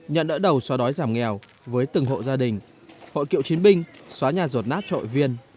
nhận đỡ đầu xóa đói giảm nghèo với từng hộ gia đình hội kiệu chiến binh xóa nhà giọt nát trội viên